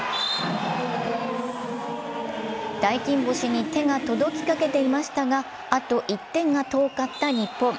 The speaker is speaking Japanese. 大金星に手が届きかけていましたが、あと１点が遠かった日本。